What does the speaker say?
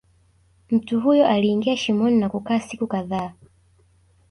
Mtu huyo aliingia shimoni na kukaa siku kadhaa